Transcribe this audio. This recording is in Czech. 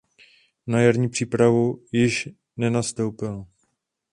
Na jarní přípravu již nenastoupil.